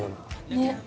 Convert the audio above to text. ねっ。